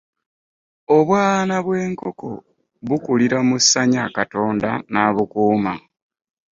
Obwana bwe nkoko bukulira mu ssanya Katonda nabukuuma.